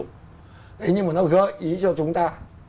thế nhưng mà nó gợi ý cho chúng ta